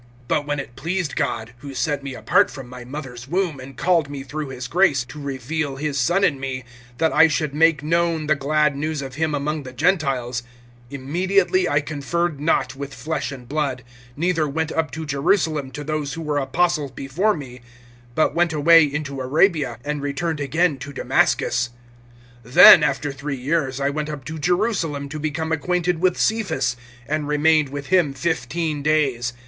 (15)But when it pleased God, who set me apart from my mother's womb, and called me through his grace, (16)to reveal his Son in me, that I should make known the glad news of him among the Gentiles; immediately I conferred not with flesh and blood; (17)neither went up to Jerusalem to those who were apostles before me, but went away[1:17] into Arabia, and returned again to Damascus. (18)Then, after three years, I went up to Jerusalem to become acquainted with Cephas, and remained with him fifteen days.